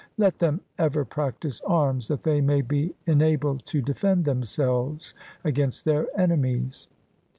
Let them ever practise arms, that they may be enabled to defend themselves against their enemies.'